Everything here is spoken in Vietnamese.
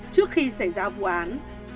trước khi xảy ra vụ án